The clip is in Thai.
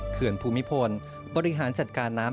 เขื่อนภูมิพลบริหารจัดการน้ำ